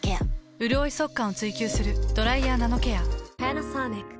うるおい速乾を追求する「ドライヤーナノケア」。